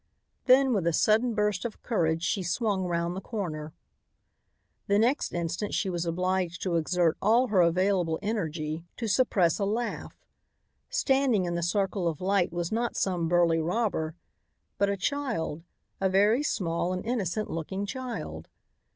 Then with a sudden burst of courage she swung round the corner. The next instant she was obliged to exert all her available energy to suppress a laugh. Standing in the circle of light was not some burly robber, but a child, a very small and innocent looking child.